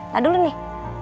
nah dulu nih